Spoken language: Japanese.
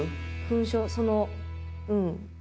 そのうん。